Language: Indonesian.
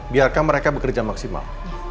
biarkan mereka bekerja maksimal